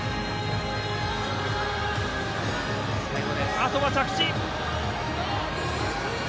あとは着地！